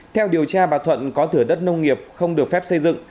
theo điều tra bà thuận có thửa đất nông nghiệp không được phép xây dựng